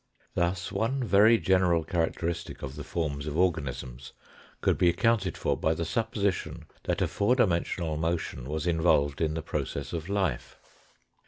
Thus one very general characteristic of the forms of organisms could be accounted for by the supposition that a four dimensional motion was involved in the process of life.